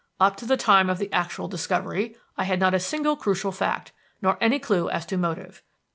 Up to the time of the actual discovery I had not a single crucial fact, nor any clue as to motive.